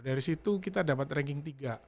dari situ kita dapat ranking tiga